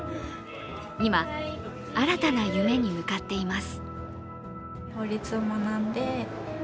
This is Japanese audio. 今、新たな夢に向かっています。